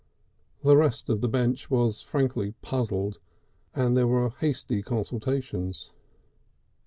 The rest of the bench was frankly puzzled and there were hasty consultations.